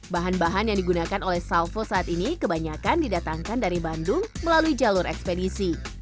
bahan bahan yang digunakan oleh salvo saat ini kebanyakan didatangkan dari bandung melalui jalur ekspedisi